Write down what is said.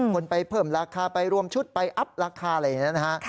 คนไปเพิ่มราคาไปรวมชุดไปอัพราคาอะไรอย่างนี้นะฮะ